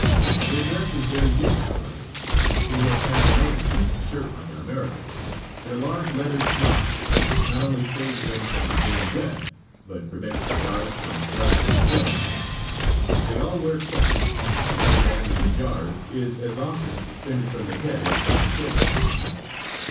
Their dress is very different from others. They wear pantaloons and shirt like an American and a large leather smock, which not only saves them from being wet but prevents the jars from bruising the flesh. They all wear caps, and the leather band of the jars is as often suspended from the head as from the shoulders.